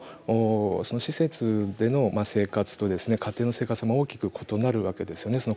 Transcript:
施設での生活と家庭の生活が大きく異なるわけですよね。